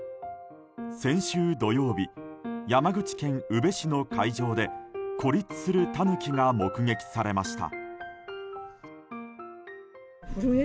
先週土曜日山口県宇部市の海上で孤立するタヌキが目撃されました。